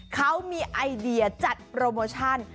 เขามีไอเดียจัดโปรโมชั่น